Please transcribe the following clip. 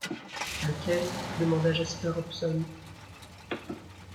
Lequel ? demanda Jasper Hobson.